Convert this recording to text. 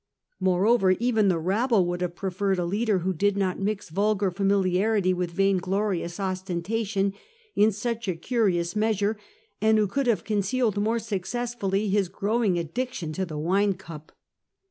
More over, even the rabble would have preferred a leader who did not mix vulgar familiarity and vainglorious ostenta tion in such a curious measure, and who could have concealed more successfully his growing addiction to the wine cup.